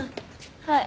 はい。